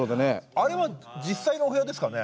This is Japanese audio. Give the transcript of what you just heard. あれは実際のお部屋ですかね？